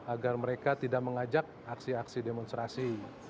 agar mereka tidak mengajak aksi aksi demonstrasi